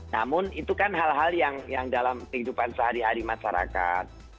namun itu kan hal hal yang dalam kehidupan sehari hari masyarakat